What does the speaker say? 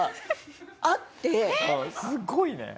すごいね。